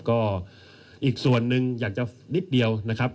ก็อีกส่วนหนึ่งอยากจะนิดเดียวนะครับ